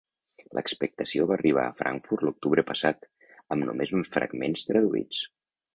L'expectació va arribar a Frankfurt l'octubre passat, amb només uns fragments traduïts.